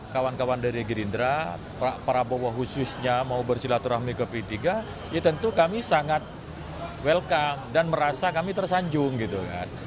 kawan kawan dari gerindra pak prabowo khususnya mau bersilaturahmi ke p tiga ya tentu kami sangat welcome dan merasa kami tersanjung gitu kan